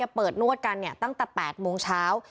เราเกิดนวดกันเนี่ยตั้งแต่๘โมงเช้า